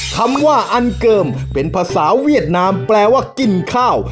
คำว่าอันเกิมเป็นภาษาเวียดนามแปลว่ากินข้าว